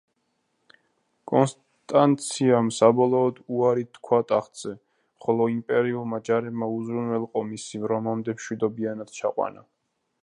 კონსტანციამ საბოლოოდ უარი თქვა ტახტზე, ხოლო იმპერიულმა ჯარებმა უზრუნველყო მისი რომამდე მშვიდობიანად ჩაყვანა.